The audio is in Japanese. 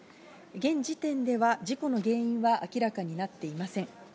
現時点では事故の原因は明らかになっていません。